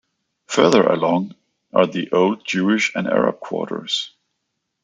Further along are the old Jewish and Arab quarters.